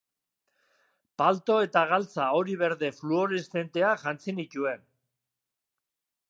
Palto eta galtza hori-berde fluoreszenteak jantzi nituen.